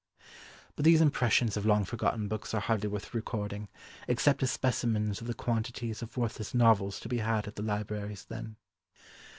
But these impressions of long forgotten books are hardly worth recording, except as specimens of the quantities of worthless novels to be had at the libraries then.